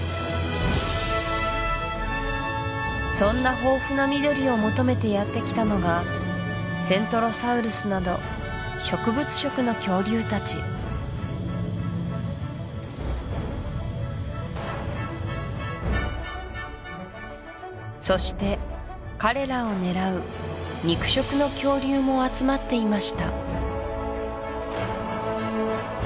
そんな豊富な緑を求めてやってきたのがセントロサウルスなど植物食の恐竜たちそして彼らを狙う肉食の恐竜も集まっていました